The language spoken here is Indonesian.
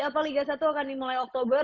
apa liga satu akan dimulai oktober